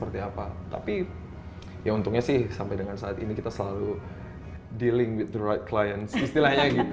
tapi ya untungnya sih sampai dengan saat ini kita selalu dealing with the right clience istilahnya gitu